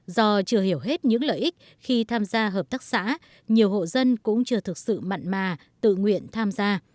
do chưa hiểu hết những lợi ích khi tham gia hợp tác xã nhiều hộ dân cũng chưa thực sự mặn mà tự nguyện tham gia